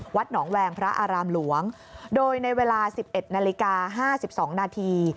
หวัดหนองแหวงภรราอารำหลวงโดยในเวลาสิบเอ็ดนาฬิกาห้าสี่สิบสองนาที